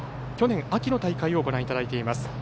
去年秋の大会の成績をご覧いただいています。